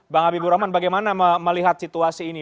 bang habibur rahman bagaimana melihat situasi ini